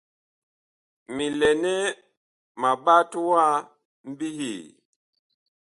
Mi lɛ nɛ ma ɓat wa mbihii ?